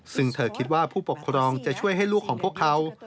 ซึ่งเธอคิดว่าผู้ปกครองจะช่วยให้ลูกของพวกเขา